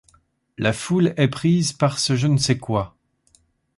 La foule est prise par ce je-ne-sais-quoi.